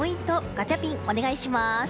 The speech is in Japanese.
ガチャピンお願いします。